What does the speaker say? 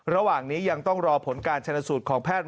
ระหว่างนี้ยังต้องรอผลการชนสูตรของแพทย์